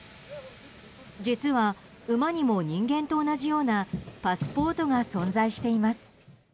実は、馬にも人間と同じようなパスポートが存在しています。